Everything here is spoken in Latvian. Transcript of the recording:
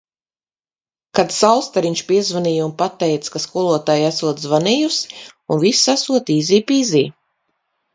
Kad Saulstariņš piezvanīja un pateica, ka skolotāja esot zvanījusi un viss esot "īzī pīzī".